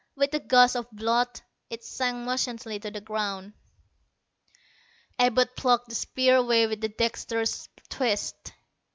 With a gush of blood, it sank motionless to the ground. Abud plucked the spear away with a dexterous twist.